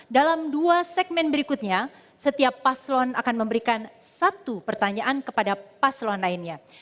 dalam dua segmen berikutnya setiap paslon akan memberikan satu pertanyaan kepada paslon lainnya